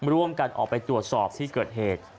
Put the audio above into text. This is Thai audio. ร่วมกันออกไปตรวจสอบที่เกิดเหตุ